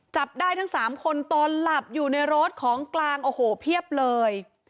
จับได้ทั้ง๓คนตอนหลับอยู่ในรถของกลางโอ้โหเพียบเลย